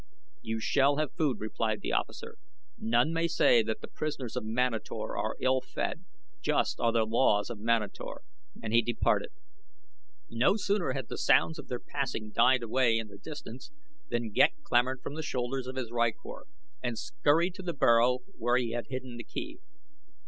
"You shall have food," replied the officer. "None may say that the prisoners of Manator are ill fed. Just are the laws of Manator," and he departed. No sooner had the sounds of their passing died away in the distance than Ghek clambered from the shoulders of his rykor, and scurried to the burrow where he had hidden the key.